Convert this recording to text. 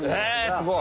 すごい。